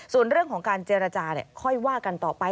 ส่วนเรื่องของการเจรจาค่อยว่ากันต่อไป